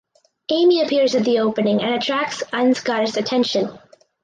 Amy appears at the opening and attracts Ansgar’s attention.